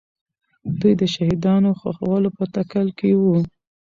دوی د شهیدانو ښخولو په تکل کې وو.